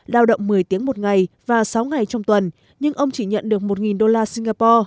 đào động một mươi tiếng một ngày và sáu ngày trong tuần nhưng ông chỉ nhận được một đô la singapore tương đương bảy trăm năm mươi đô la một tháng